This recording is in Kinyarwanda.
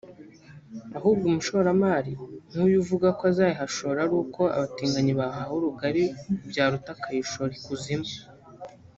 ahubwo umushoramari nk’uyu uvuga ko azayihashora ari uko abatinganyi bahawe rugari byaruta akayishora ikuzimu